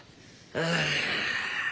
ああ。